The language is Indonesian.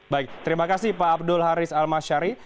baik terima kasih pak abdul haris almasyari